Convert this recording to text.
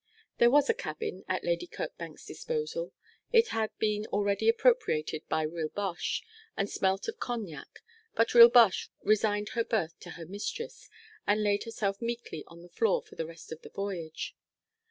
There was a cabin at Lady Kirkbank's disposal. It had been already appropriated by Rilboche, and smelt of cognac; but Rilboche resigned her berth to her mistress, and laid herself meekly on the floor for the rest of the voyage.